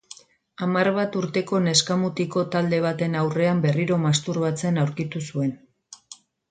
Hamar bat urteko neskato eta mutiko talde baten aurrean berriro masturbatzen aurkitu zuen.